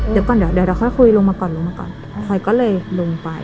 เดี๋ยวก่อนเดี๋ยวเดี๋ยวค่อยคุยลงมาก่อนลงมาก่อนคอยก็เลยลงไป